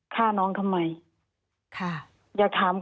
ฆ่าน้องทำไม